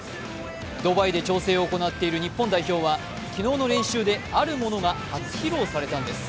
ドバイで調整を行っている日本代表は昨日の練習であるものが初披露されたんです。